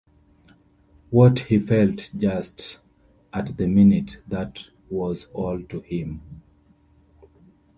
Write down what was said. What he felt just at the minute, that was all to him.